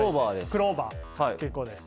クローバーです。